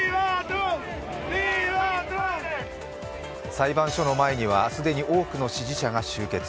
裁判所の前には既に多くの支持者が集結。